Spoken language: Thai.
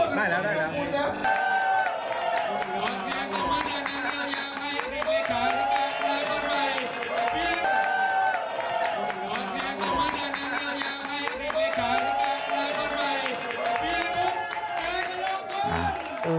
ได้แล้ว